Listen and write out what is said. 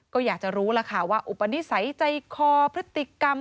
ก็อยากจะรู้ว่าอุปนิสัยใจคอพฤติกรรม